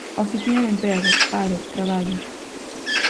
Oficina de emprego, paro, traballo.